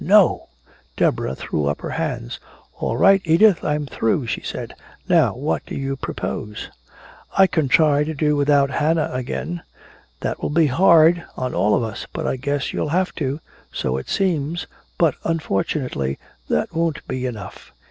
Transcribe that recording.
"No!" Deborah threw up her hands: "All right, Edith, I'm through," she said. "Now what do you propose?" "I can try to do without Hannah again " "That will be hard on all of us. But I guess you'll have to." "So it seems." "But unfortunately that won't he enough."